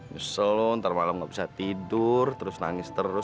nyesel lo ntar malem gak bisa tidur terus nangis terus